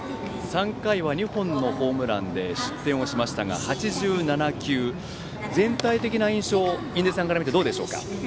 ３回は２本のホームランで失点をしましたが８７球、全体的な印象は印出さんから見てどうでしょうか。